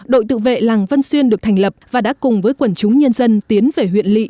đội tự vệ làng vân xuyên được thành lập và đã cùng với quần chúng nhân dân tiến về huyện lì